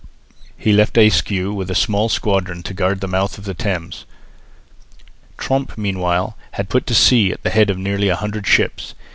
He left Ayscue with a small squadron to guard the mouth of the Thames. Tromp meanwhile had put to sea at the head of nearly a hundred ships.